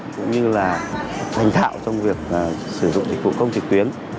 cũng như là thành thạo trong việc sử dụng dịch vụ công trực tuyến